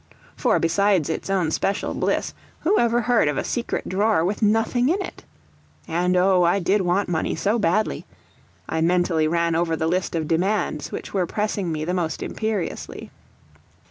For, besides its own special bliss, who ever heard of a secret drawer with nothing in it? And oh, I did want money so badly! I mentally ran over the list of demands which were pressing me the most imperiously.